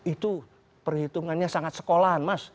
itu perhitungannya sangat sekolahan mas